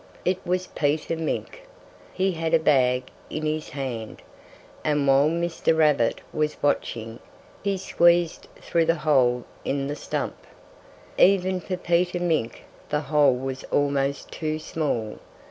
It was Peter Mink! He had a bag in his hand. And while Mr. Rabbit was watching, he squeezed through the hole in the stump. Even for Peter Mink the hole was almost too small.